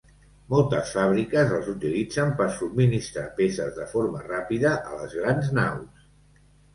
Moltes fàbriques els utilitzen per subministrar peces de forma ràpida a les grans naus.